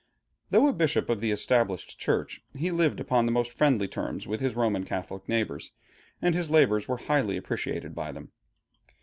Though a bishop of the Established Church, he lived upon the most friendly terms with his Roman Catholic neighbors, and his labors were highly appreciated by them.